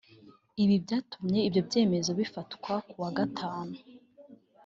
Ibi byatumye ibyo byemezo bifatwa ku wa gatanu